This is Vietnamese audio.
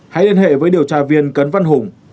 hãy liên hệ với điều tra viên cấn văn hùng